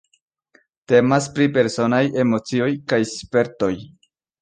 Temas pri personaj emocioj kaj spertoj.